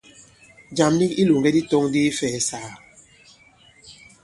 Jàm nik i ilòŋgɛ di tɔ̄ŋ ndi ifɛ̀ɛ̀sàgà.